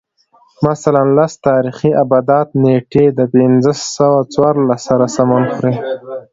مثلاً لس تاریخي آبدات نېټې د پنځه سوه څوارلس سره سمون خوري